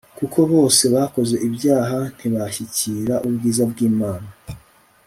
kuko bose bakoze ibyaha ntibashyikira ubwiza bw'imana